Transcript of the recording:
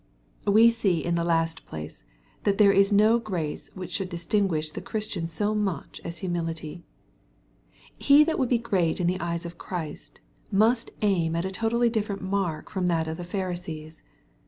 We see in the last place^ that there is no grace which shotdd distinguish the Christian sc much as humility. He that would be great in the eyes of Christ, must aim at a totally different mark from that of the Pharisees.